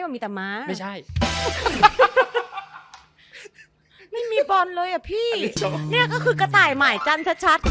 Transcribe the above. ไม่มีบอลเลยอ่ะพี่เนี้ยก็คือกระต่ายหมายจันทรัดชัด